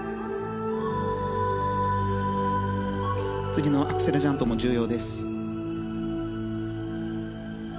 次のアクセルジャンプも重要です。